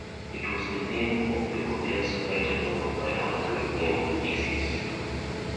It was the name of the goddess better known by her Greek name Isis.